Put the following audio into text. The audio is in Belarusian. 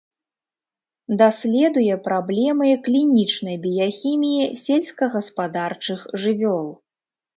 Даследуе праблемы клінічнай біяхіміі сельскагаспадарчых жывёл.